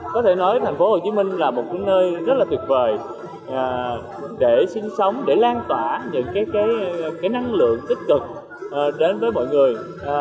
có thể nói thành phố hồ chí minh là một nơi rất là tuyệt vời để sinh sống để lan tỏa những cái năng lượng tích cực đến với mọi người